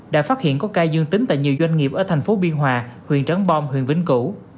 đã phát hiện có ca dương tính tại nhiều doanh nghiệp ở thành phố biên hòa huyện trắng bom huyện vĩnh cửu